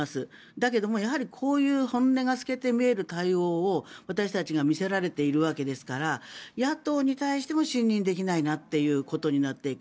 だけどもやはり、こういう本音が透けて見える対応を私たちが見せられているわけですから野党に対しても信任できないなってことになっていく。